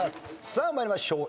さあ参りましょう。